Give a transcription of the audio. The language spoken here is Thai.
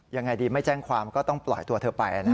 ยังไงดีไม่แจ้งความก็ต้องปล่อยตัวเธอไปนะ